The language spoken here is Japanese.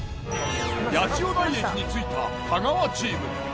八千代台駅に着いた太川チーム。